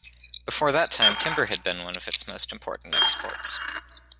Before that time, timber had been one of its most important exports.